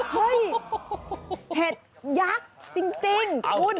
เฮ้ยเห็ดยักษ์จริงคุณ